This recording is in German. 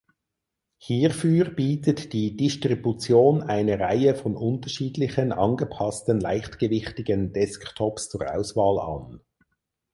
Hierfür bietet die Distribution eine Reihe von unterschiedlichen angepassten leichtgewichtigen Desktops zur Auswahl an.